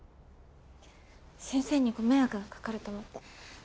先生にご迷惑が掛かると思って。